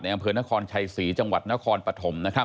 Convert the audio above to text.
ในอำเภอนครชัยศรีจังหวัดนครปฐม